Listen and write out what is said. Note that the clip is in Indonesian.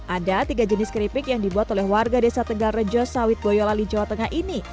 ada tiga jenis keripik yang dibuat oleh warga desa tegal rejo sawit boyolali jawa tengah ini